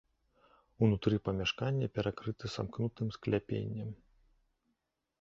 Унутры памяшканне перакрыта самкнутым скляпеннем.